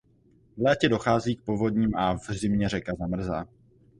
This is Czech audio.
V létě dochází k povodním a v zimě řeka zamrzá.